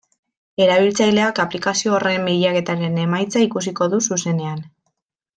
Erabiltzaileak aplikazio horren bilaketaren emaitza ikusiko du zuzenean.